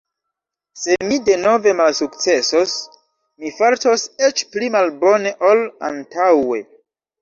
Se mi denove malsukcesos, mi fartos eĉ pli malbone ol antaŭe.